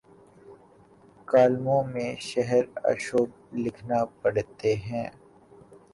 کالموں میں شہر آشوب لکھنا پڑتے ہیں۔